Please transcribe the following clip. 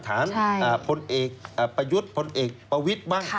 พลเอกประยุทธ์พลเอกประวิทย์บ้าง